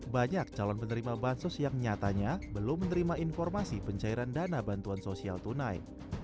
banyak calon penerima bansos yang nyatanya belum menerima informasi pencairan dana bantuan sosial tunai